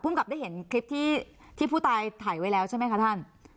กับได้เห็นคลิปที่ผู้ตายถ่ายไว้แล้วใช่ไหมคะท่าน